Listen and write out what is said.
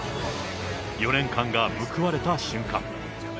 ４年間が報われた瞬間。